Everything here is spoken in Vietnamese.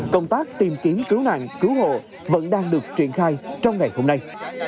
công tác tìm kiếm cứu nạn cứu hộ vẫn đang được triển khai trong ngày hôm nay